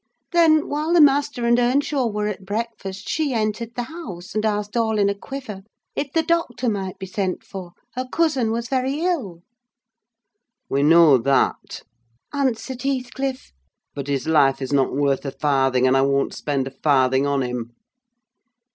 Then, while the master and Earnshaw were at breakfast, she entered the house, and asked all in a quiver if the doctor might be sent for? her cousin was very ill. "'We know that!' answered Heathcliff; 'but his life is not worth a farthing, and I won't spend a farthing on him.